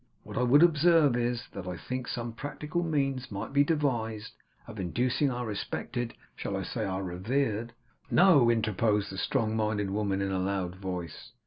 What I would observe is, that I think some practical means might be devised of inducing our respected, shall I say our revered ?' 'No!' interposed the strong minded woman in a loud voice.